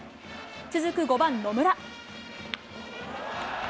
続く５番野村。